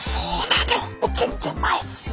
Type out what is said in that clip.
もう全然前っすよ。